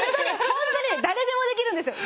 本当に誰でもできるんですよ。